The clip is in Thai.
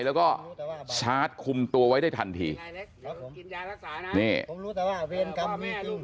แล้วก็ชาร์จคุมตัวไว้ได้ทันที